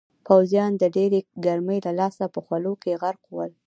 پوځیان د ډېرې ګرمۍ له لاسه په خولو کې غرق ول.